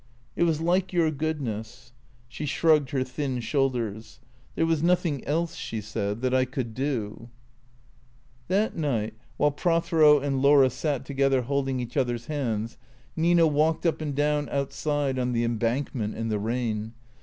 " It was like your goodness." She shrugged her thin shoulders. " There was nothing else," she said, " that I could do." THECEEATOKS 311 That night, while Prothero and Laura sat together holding each other's hands, Nina walked up and down outside on the Embankment, in the rain.